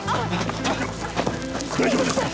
大丈夫ですか？